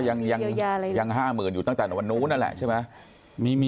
ยัง๕๐๐๐อยู่ตั้งแต่วันนู้นนั่นแหละใช่ไหม